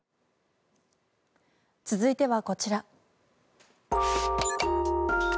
続いてはこちら。